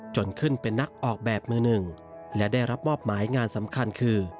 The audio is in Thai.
จนขึ้นเป็นนักออกแบบมือหนึ่งและได้รับมอบหมายงานสำคัญคือ